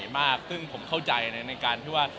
มากซึ่งผมเข้าใจในการที่ว่า